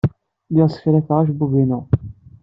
Lliɣ ssekrafeɣ acebbub-inu.